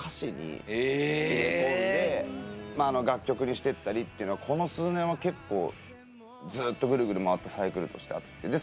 入れ込んで楽曲にしてったりっていうのはこの数年は結構ずっとグルグル回ったサイクルとしてあって。